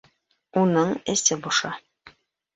Уның эсе боша.